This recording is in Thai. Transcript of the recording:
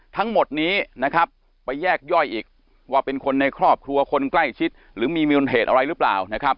ทั้งหมดนี้นะครับไปแยกย่อยอีกว่าเป็นคนในครอบครัวคนใกล้ชิดหรือมีมิวนเหตุอะไรหรือเปล่านะครับ